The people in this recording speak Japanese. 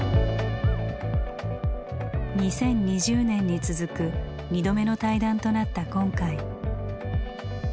２０２０年に続く２度目の対談となった今回。